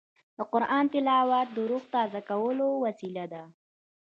د قرآن تلاوت د روح تازه کولو وسیله ده.